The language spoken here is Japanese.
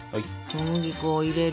小麦粉を入れる。